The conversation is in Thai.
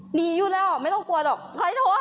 หนีอยู่แล้วไม่ต้องกลัวหรอกใครโทร